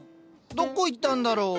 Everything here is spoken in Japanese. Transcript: どこ行ったんだろう？